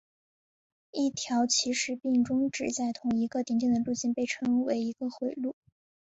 一条起始并终止在同一个顶点的路径被称为一个回路。